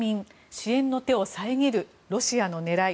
支援の手を遮るロシアの狙い。